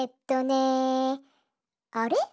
あれ？